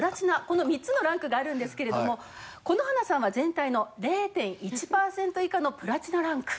この３つのランクがあるんですけれどもこのはなさんは全体の０．１パーセント以下のプラチナランク。